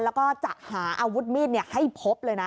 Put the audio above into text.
แล้วก็จะหาอาวุธมีดให้พบเลยนะ